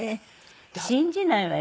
信じないわよ